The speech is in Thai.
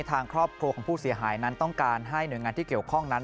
ทางครอบครัวของผู้เสียหายนั้นต้องการให้หน่วยงานที่เกี่ยวข้องนั้น